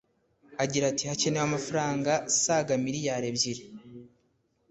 Agira ati “Hakenewe amafaranga saga Miliyali ebyiri